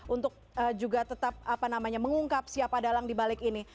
untuk juga tetap apa namanya mengungkap siapa dalang di balik ini